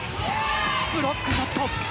ブロックショット。